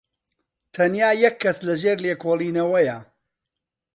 تەنیا یەک کەس لەژێر لێکۆڵینەوەیە.